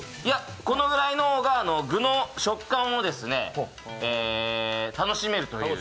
このぐらいの方が具の食感を楽しめるという。